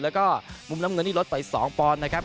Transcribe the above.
แล้วก็มุมน้ำเงินนี่ลดไป๒ปอนด์นะครับ